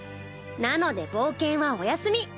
なので冒険はお休み。